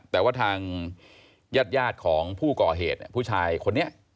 แต่ว่าทางญาติของผู้ก่อเหตุผู้ชายคนนี้